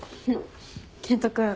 健人君。